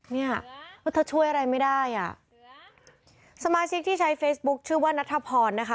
เนี่ยแล้วเธอช่วยอะไรไม่ได้อ่ะสมาชิกที่ใช้เฟซบุ๊คชื่อว่านัทพรนะคะ